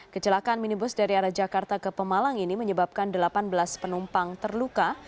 kecelakaan minibus dari arah jakarta ke pemalang ini menyebabkan delapan belas penumpang terluka